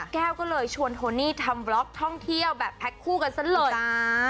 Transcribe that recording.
แก้วก็เลยชวนโทนี่ทำบล็อกท่องเที่ยวแบบแพ็คคู่กันซะเลยจ้า